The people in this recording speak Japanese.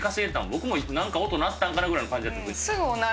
僕もなんか音鳴ったんかなぐらいの感じやった。